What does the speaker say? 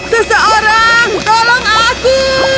seseorang tolong aku